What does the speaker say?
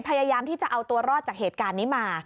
พยายามที่จะเอาตัวรอดจากเหตุการณ์นี้มา